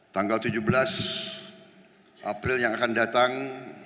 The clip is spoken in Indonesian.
tanggal tujuh belas april yang akan datang